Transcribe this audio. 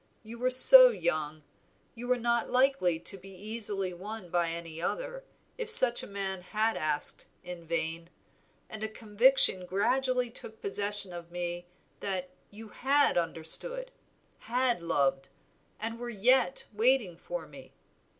You were so young, you were not likely to be easily won by any other, if such a man had asked in vain, and a conviction gradually took possession of me that you had understood, had loved, and were yet waiting for me.